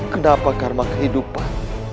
kenapa karma kehidupan